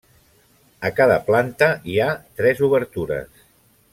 A cada planta hi ha tres obertures.